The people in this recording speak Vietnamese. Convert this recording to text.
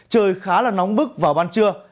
trời khá là nóng bức vào ban trưa